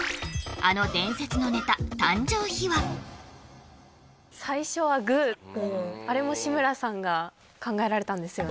あの伝説のネタ誕生秘話最初はグーっていうあれも志村さんが考えられたんですよね？